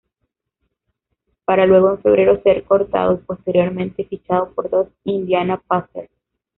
Para luego en Febrero ser cortado y posteriormente fichado por los Indiana Pacers